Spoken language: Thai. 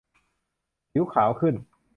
ผิวขาวขึ้น